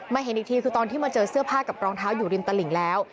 เห็นอีกทีคือตอนที่มาเจอเสื้อผ้ากับรองเท้าอยู่ริมตลิ่งแล้ว